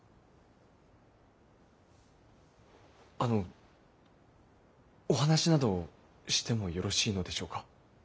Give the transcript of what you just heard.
あのお話などしてもよろしいのでしょうか。